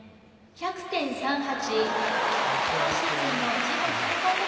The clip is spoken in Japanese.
１００．３８。